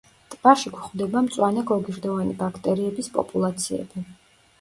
ტბაში გვხვდება მწვანე გოგირდოვანი ბაქტერიების პოპულაციები.